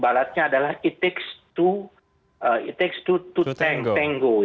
ibaratnya adalah it takes two to tango